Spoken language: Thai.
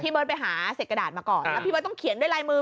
เบิร์ตไปหาเสร็จกระดาษมาก่อนแล้วพี่เบิร์ตต้องเขียนด้วยลายมือ